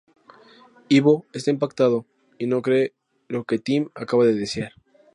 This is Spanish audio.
Ivo está impactado y no cree lo que Tim acaba de desear.